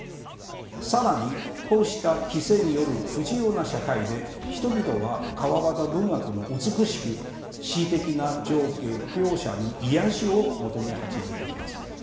更にこうした規制による不自由な社会で人々は川端文学の美しく詩的な情景描写に癒やしを求め始めています。